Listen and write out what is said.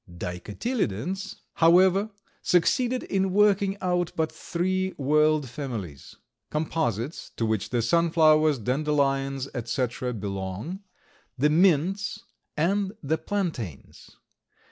Dicotyledons, however, succeeded in working out but three world families: Composites, to which the sunflowers, dandelions, etc., belong; the Mints; and the Plantains.